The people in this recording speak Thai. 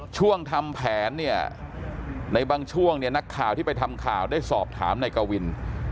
ช่วงทำแผนเนี่ยในบางช่วงเนี่ยนักข่าวที่ไปทำข่าวได้สอบถามนายกวิน